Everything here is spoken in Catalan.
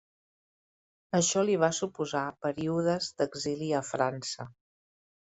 Això li va suposar períodes d'exili a França.